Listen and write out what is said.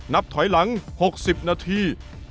นับถอยหลังหกสิบนาที